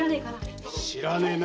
知らねえな。